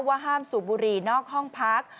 ว่าห้ามสูบบุหรี่นอกห้องพัก